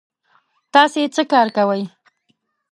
تاسې څه کار کوی؟